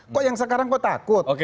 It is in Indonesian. kok yang sekarang kok takut